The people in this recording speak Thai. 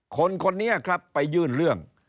คนนี้ครับไปยื่นเรื่อง